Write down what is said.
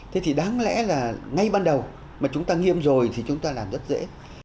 thế thì đáng lẽ là ngay ban đầu mà chúng ta nghiêm rồi thì chúng ta làm rất dễ